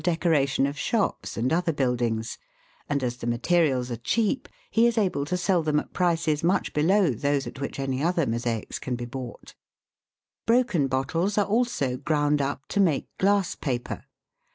decoration of shops and other buildings, and, as the ma terials are cheap, he is able to sell them at prices much below those at which any other mosaics can be bought. Broken bottles are also ground up to make glass paper.